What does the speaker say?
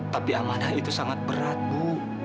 tapi amanah itu sangat berat bu